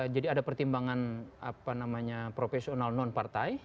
jadi ada pertimbangan profesional non partai